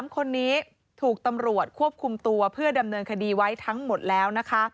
๓คนนี้ถูกตำรวจควบคุมตัวเพื่อดำเนินคดีไว้ทั้งหมดแล้วนะคะ